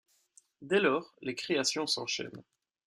Dès lors les créations s'enchaînent.